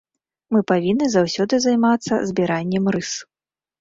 Мы павінны заўсёды займацца збіраннем рыс.